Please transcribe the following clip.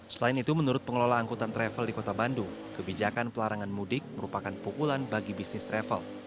selain itu menurut pengelola angkutan travel di kota bandung kebijakan pelarangan mudik merupakan pukulan bagi bisnis travel